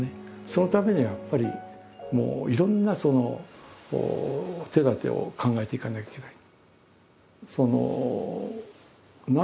そのためにはやっぱりいろんな手だてを考えていかなきゃいけない。